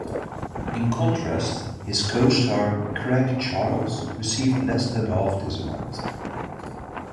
In contrast, his co-star Craig Charles received less than half this amount.